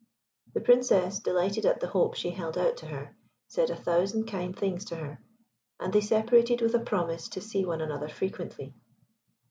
The Princess, delighted at the hope she held out to her, said a thousand kind things to her, and they separated with a promise to see one another frequently.